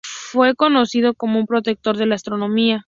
Fue conocido como un protector de la astronomía.